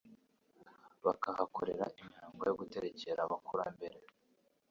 bakahakorera imihango yo guterekera abakurambere